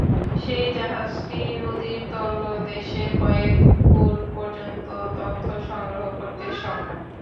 সেই জাহাজটি নদীর তলদেশের কয়েক ফুট পর্যন্ত তথ্য সংগ্রহ করতে সক্ষম।